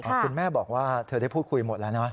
คุณแม่บอกว่าเธอได้พูดคุยหมดแล้วนะ